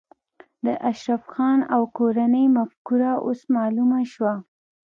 د اشرف خان او کورنۍ مفکوره اوس معلومه شوه